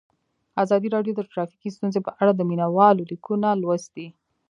ازادي راډیو د ټرافیکي ستونزې په اړه د مینه والو لیکونه لوستي.